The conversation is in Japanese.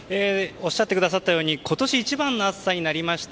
おっしゃってくださったように今年一番の暑さになりました